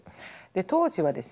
当時はですね